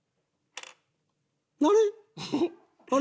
あれ？